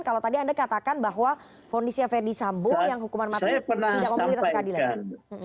kalau tadi anda katakan bahwa fonisnya verdi sambo yang hukuman mati tidak memiliki rasa keadilan